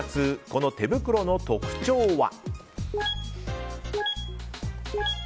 この手袋の特徴は。